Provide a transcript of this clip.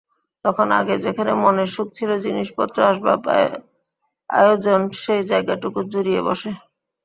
তখন, আগে যেখানে মনের সুখ ছিল জিনিসপত্র আসবাব আয়োজন সেই জায়গাটুকু জুড়িয়া বসে।